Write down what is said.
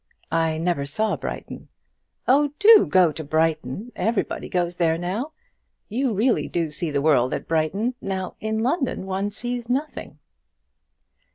"I never saw Brighton." "Oh, do go to Brighton. Everybody goes there now; you really do see the world at Brighton. Now, in London one sees nothing."